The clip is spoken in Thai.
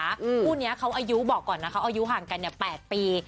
คู่นี้เขาอายุบอกก่อนนะเขาอายุห่างกัน๘ปี